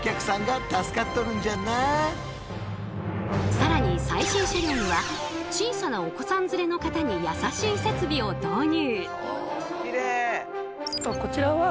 更に最新車両には小さなお子さん連れの方に優しい設備を導入。